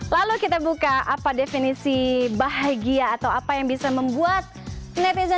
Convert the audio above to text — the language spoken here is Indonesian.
lalu kita buka apa definisi bahagia atau apa yang bisa membuat netizen